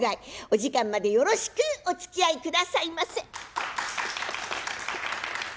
お時間までよろしくおつきあいくださいませ。